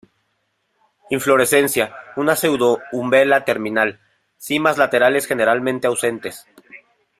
Inflorescencia una pseudo umbela terminal, cimas laterales generalmente ausentes.